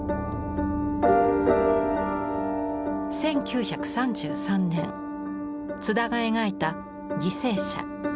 １９３３年津田が描いた「犠牲者」。